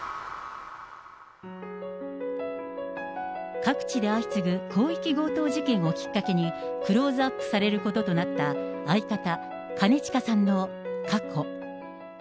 各地で相次ぐ広域強盗事件をきっかけに、クローズアップされることとなった、相方、兼近さんの過去。